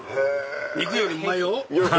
肉よりうまいよ。